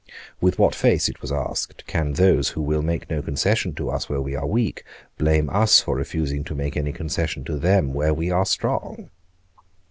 With what face, it was asked, can those who will make no concession to us where we are weak, blame us for refusing to make any concession to them where we are strong?